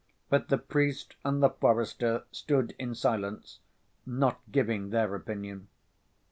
But the priest and the forester stood in silence, not giving their opinion.